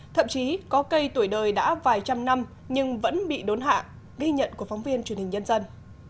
thậm chí có cây tuổi đời đã vài trăm năm nhưng vẫn bị đốn hạ ghi nhận của phóng viên truyền hình nhân dân